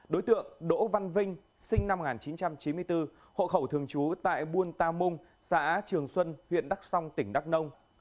đối tượng đỗ văn vinh sinh năm một nghìn chín trăm chín mươi bốn hộ khẩu thường trú tại buôn ta mung xã trường xuân huyện đắc song tỉnh đắk nông